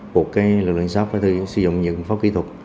một cái lực lượng xác định sử dụng những pháp kỹ thuật